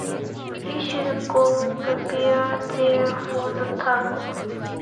You should go prepare them for the table.